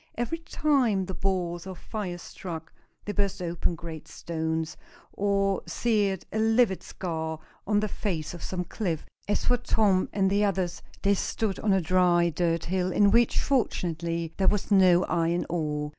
Every time the balls of fire struck, they burst open great stones, or seared a livid scar on the face of some cliff. As for Tom and the others, they stood on a dry dirt hill, in which, fortunately, there was no iron ore.